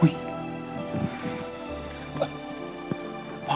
อื้อ